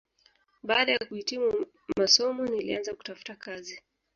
Baada ya kuhitimu masomo nilianza kutafuta kazi